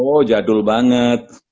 oh jadul banget